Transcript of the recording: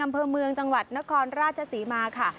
อำเภอเมืองจังหวัดนครราชศรีมาค่ะ